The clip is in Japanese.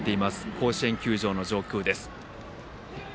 甲子園球場の上空です。